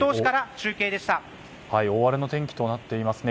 大荒れの天気となっていますね。